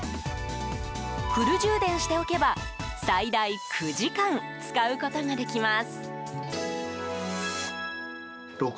フル充電しておけば最大９時間使うことができます。